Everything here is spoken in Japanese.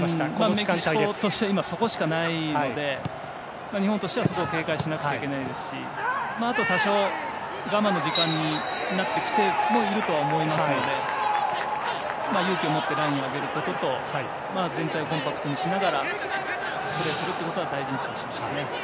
メキシコとしては今は、そこしかないので日本としては警戒しなくちゃいけないですしあと、多少我慢の時間帯になってきてもいると思いますので勇気を持ってラインを上げることと全体をコンパクトにしながらプレーするってことは大事にしてほしいですね。